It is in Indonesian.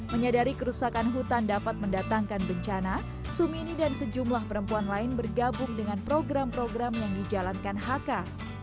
menyadari kerusakan hutan dapat mendatangkan bencana sumini dan sejumlah perempuan lain bergabung dengan program program yang dijalankan haka